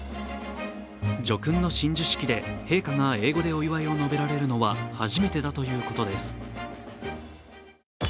叙勲の親授式で陛下が英語でお祝いを述べられるのは初めてだということです。